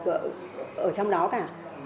ở trong đó cả